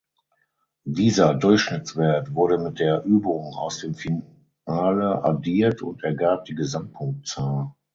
Dieser Durchschnittswert wurde mit der Übung aus dem Finale addiert und ergab die Gesamtpunktzahl.